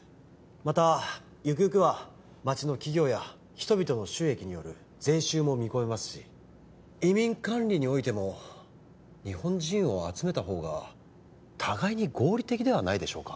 またゆくゆくは街の企業や人々の収益による税収も見込めますし移民管理においても日本人を集めたほうが互いに合理的ではないでしょうか